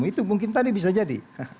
itu mungkin tadi bisa jadi